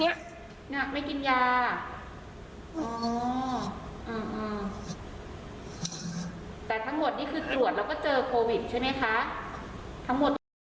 แต่ทั้งหมดนี่คือตรวจแล้วก็เจอโควิดใช่ไหมคะทั้งหมด